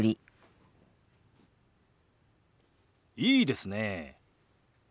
いいですねえ。